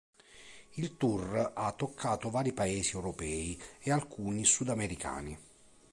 Il tour ha toccato vari paesi europei e alcuni sudamericani.